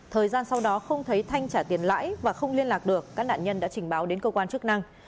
thời gian sau đó không thấy thanh trả tiền lãi và không liên lạc được các nạn nhân đã trình báo đến cơ quan chức năng